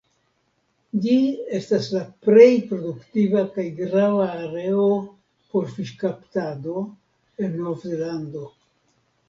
Ĝi estas la plej produktiva kaj grava areo por fiŝkaptado en Novzelando.